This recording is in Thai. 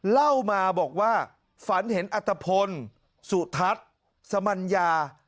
เล่ามาบอกว่าฝันเห็นอัตภพลสุทัศน์สมัญญา